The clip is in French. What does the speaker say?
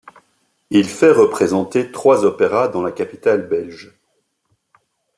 Il fait représenter trois opéras dans la capitale belge.